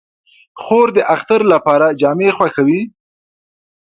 خور د اختر لپاره جامې خوښوي.